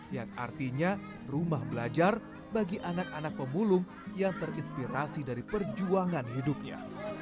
yang artinya rumah belajar bagi anak anak pemulung yang terinspirasi dari perjuangan hidupnya